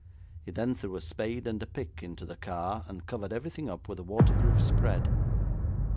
He then threw a spade and a pick into the car, and covered everything up with a water proof spread.